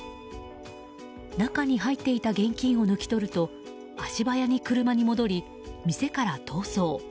中に入っていた現金を抜き取ると足早に車に戻り店から逃走。